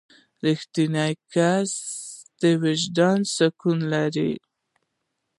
• رښتینی کس د وجدان سکون لري.